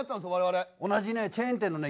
同じねチェーン店のね